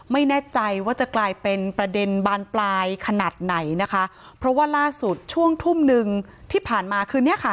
ไม่แน่ใจว่าจะกลายเป็นประเด็นบานปลายขนาดไหนนะคะเพราะว่าล่าสุดช่วงทุ่มหนึ่งที่ผ่านมาคืนเนี้ยค่ะ